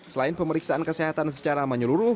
selain pemeriksaan kesehatan secara menyeluruh